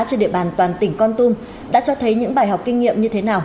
trên địa bàn toàn tỉnh con tum đã cho thấy những bài học kinh nghiệm như thế nào